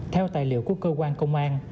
theo tài liệu của cơ quan công an